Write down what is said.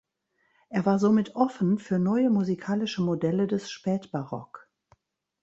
Er war somit offen für neue musikalische Modelle des Spätbarock.